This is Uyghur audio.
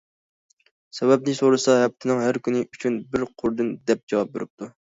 سەۋەبىنى سورىسا، ھەپتىنىڭ ھەر كۈنى ئۈچۈن بىر قۇردىن، دەپ جاۋاب بېرىپتۇ.